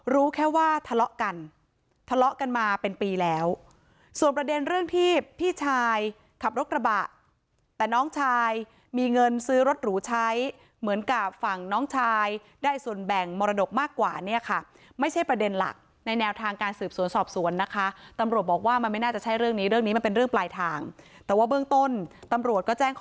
แค่ว่าทะเลาะกันทะเลาะกันมาเป็นปีแล้วส่วนประเด็นเรื่องที่พี่ชายขับรถกระบะแต่น้องชายมีเงินซื้อรถหรูใช้เหมือนกับฝั่งน้องชายได้ส่วนแบ่งมรดกมากกว่าเนี่ยค่ะไม่ใช่ประเด็นหลักในแนวทางการสืบสวนสอบสวนนะคะตำรวจบอกว่ามันไม่น่าจะใช่เรื่องนี้เรื่องนี้มันเป็นเรื่องปลายทางแต่ว่าเบื้องต้นตำรวจก็แจ้งค